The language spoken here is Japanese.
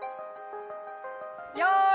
よい！